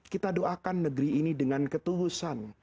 kita doakan negeri ini dengan ketulusan